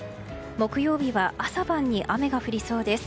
木曜日は朝晩に雨が降りそうです。